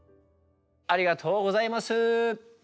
ありがとうございます。